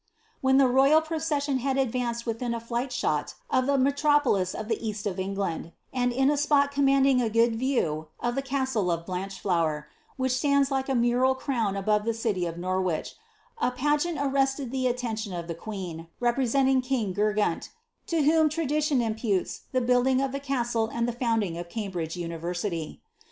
When the royal procession had advanced within a flight shot of the metropolis of the east of England, and in a spot commanding a good view of the castle of Blancheflower, which stands like a mural crown above the city of Norwich, a pageant arrested the attention of the queen, representing king Gurgunt, to whom tradition imputes the building of the castle and the founding of Cambridge university.